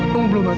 kamu belum mati